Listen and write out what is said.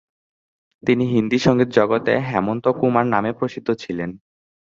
তিনি হিন্দি সংগীত জগতে হেমন্ত কুমার নামে প্রসিদ্ধ ছিলেন।